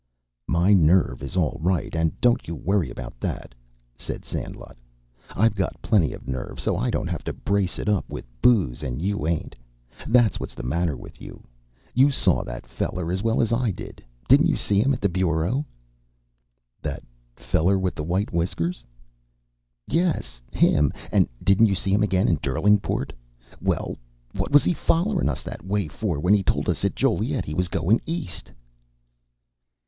"My nerve is all right, and don't you worry about that," said Sandlot. "I've got plenty of nerve so I don't have to brace it up with booze, and you ain't. That's what's the matter with you. You saw that feller as well as I did. Didn't you see him at Bureau?" "That feller with the white whiskers?" "Yes, him. And didn't you see him again at Derlingport? Well, what was he follerin' us that way for when he told us at Joliet he was goin' East?"